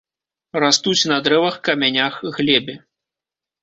Растуць на дрэвах, камянях, глебе.